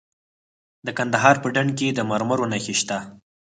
د کندهار په ډنډ کې د مرمرو نښې شته.